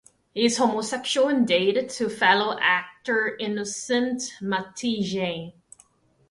He is homosexual and dated to fellow actor Innocent Matijane.